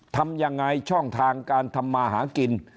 ทำยังไงช่องทางการทำมาหากิน